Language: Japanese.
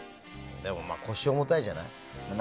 でもまあ、腰重たいじゃない。